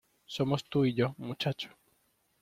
Somos tú y yo, muchacho.